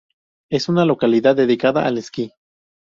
Es una localidad dedicada al esquí.